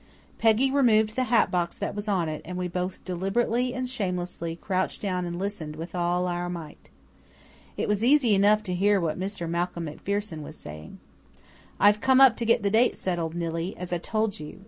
Peggy removed the hat box that was on it, and we both deliberately and shamelessly crouched down and listened with all our might. It was easy enough to hear what Mr. Malcolm MacPherson was saying. "I've come up to get the date settled, Nillie, as I told you.